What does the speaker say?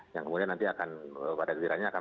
yang kemudian nanti akan